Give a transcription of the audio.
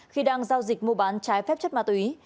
khi đang giao dịch mua bán trái phép chất ma túy